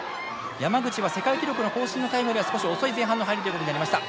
山口は世界記録の更新のタイムよりは少し遅い前半の入りということになりました。